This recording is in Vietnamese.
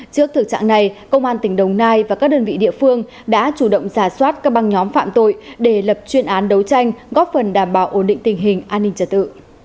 trước thực trạng này công an tỉnh đồng nai và các đơn vị địa phương đã chủ động giả soát các băng nhóm phạm tội để lập chuyên án đấu tranh góp phần đảm bảo ổn định tình hình an ninh trật tự